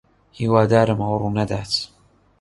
ھیوادارم ئەوە ڕوونەدات.